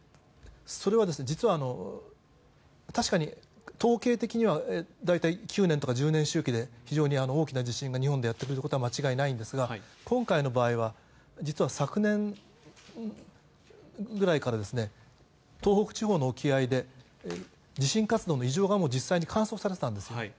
それは実は、確かに統計的には大体９年とか１０年周期で大きな地震が日本でやってくることは間違いないんですが今回の場合は実は昨年ぐらいから東北地方の沖合で地震活動の異常が観測されていたんです。